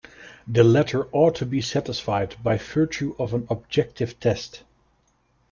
The latter ought to be satisfied by virtue of an objective test.